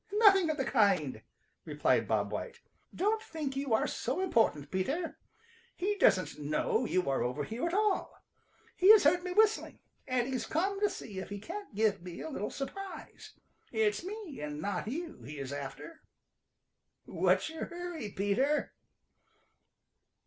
"Nothing of the kind," replied Bob White. "Don't think you are so important, Peter. He doesn't know you are over here at all. He has heard me whistling, and he's coming to see if he can't give me a little surprise. It's me and not you he is after. What's your hurry, Peter?"